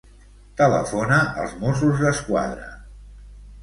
Telefona als Mossos d'Esquadra.